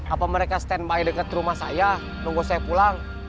apa mereka standby deket rumah saya nunggu saya pulang